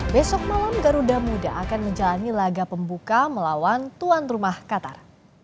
besok malam garuda muda akan menjalani laga pembuka melawan tuan rumah qatar